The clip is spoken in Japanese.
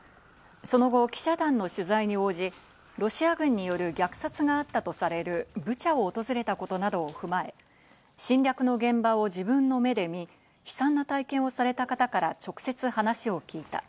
その後、記者団の取材に応じ、ロシア軍による虐殺があったとされるブチャを訪れたことなどを踏まえ、侵略の現場を自分の目で見、悲惨な体験をされた方から直接話を聞いた。